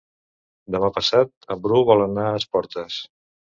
Demà passat en Bru vol anar a Esporles.